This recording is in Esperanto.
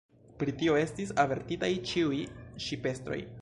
Pri tio estis avertitaj ĉiuj ŝipestroj.